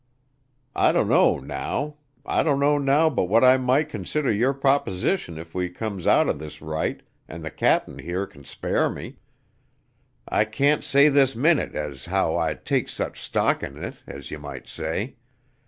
I dunno now I dunno now but what I might consider your proposition if we comes outern this right and the cap'n here can spare me. I can't say this minute as how I takes much stock in it, as ye might say.